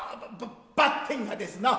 ばってんがですな